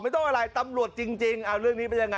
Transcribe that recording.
ไม่ต้องอะไรตำรวจจริง